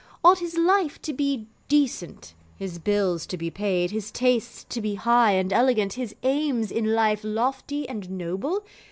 Ought his life to be decent his bills to be paid his tastes to be high and elegant his aims in life lofty and noble?